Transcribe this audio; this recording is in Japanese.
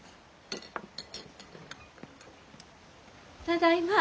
ただいま。